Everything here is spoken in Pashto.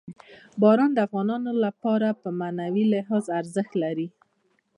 باران د افغانانو لپاره په معنوي لحاظ ارزښت لري.